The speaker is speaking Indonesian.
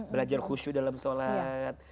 belajar khusyuh dalam sholat